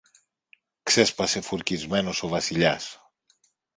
ξέσπασε φουρκισμένος ο Βασιλιάς.